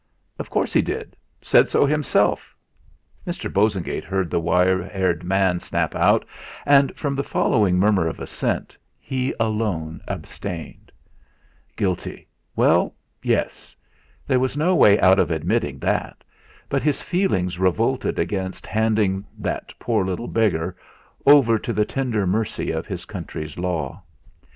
"Of course he did said so himself," Mr. Bosengate heard the wire haired man snap out, and from the following murmur of assent he alone abstained. Guilty! Well yes! There was no way out of admitting that, but his feelings revolted against handing "that poor little beggar" over to the tender mercy of his country's law.